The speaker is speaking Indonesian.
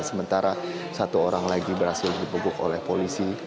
sementara satu orang lagi berhasil dibebuk oleh polisi